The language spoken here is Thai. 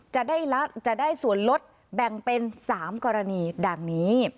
จะได้ส่วนลดแบ่งเป็น๓กรณีดังนี้